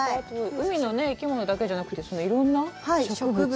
海の生き物だけじゃなく、いろんな植物。